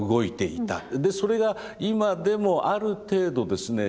でそれが今でもある程度ですね